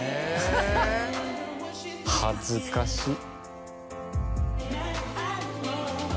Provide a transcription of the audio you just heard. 恥ずかしい。